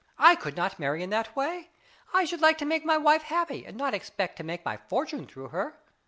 I would not marry in that way; I should like to make my wife happy, and not expect to make my fortune through her.